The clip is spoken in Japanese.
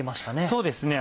そうですね。